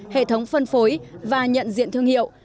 hệ thống phân phối và nhận diện thương hiệu